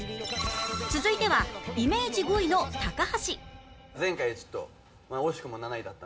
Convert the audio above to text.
続いてはイメージ５位の高橋